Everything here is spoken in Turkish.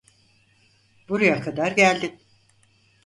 Buraya kadar geldin.